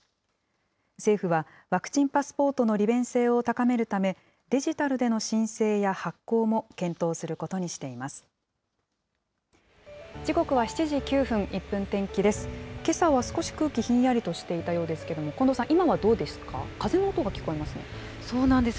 政府は、ワクチンパスポートの利便性を高めるため、デジタルでの申請や発行も検討することにしています。